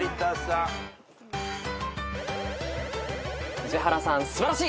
宇治原さん素晴らしい！